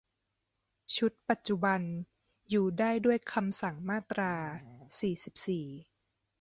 ชุดปัจจุบัน อยู่ได้ด้วยคำสั่งมาตรา สี่สิบสี่